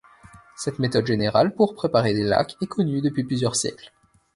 Cette méthode générale pour préparer des laques est connue depuis plusieurs siècles.